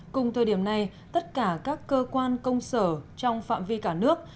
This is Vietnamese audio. cùng thời điểm này tất cả các cơ quan công sở trong phạm vi cả nước